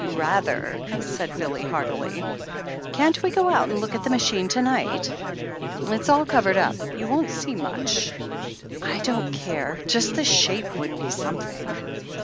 "Rather," said Billy heartily. ''Can't we go out and look at the machine to night ?" "It's all covered up— you won't see much." "I don't care — ^just the shape would be something.